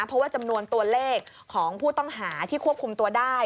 เพราะว่าจำนวนตัวเลขของผู้ต้องหาที่ควบคุมตัวได้